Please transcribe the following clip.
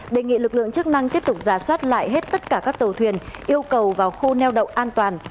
đề nghị lực lượng chức năng tiếp tục giả soát lại hết tất cả các tàu thuyền yêu cầu vào khu neo đậu an toàn